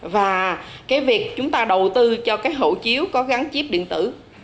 và việc chúng ta đầu tư cho hộ chiếu có gắn chip điện tử